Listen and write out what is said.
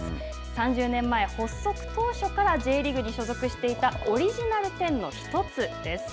３０年前、発足当初からＪリーグに所属していたオリジナル１０の１つです。